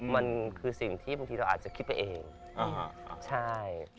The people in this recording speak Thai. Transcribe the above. มันคือสิ่งที่บางทีเราอาจจะคิดไปเองใช่